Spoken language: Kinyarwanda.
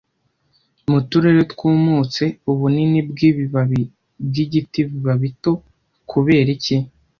Mu turere twumutse, ubunini bwibabi bwigiti biba bito kubera iki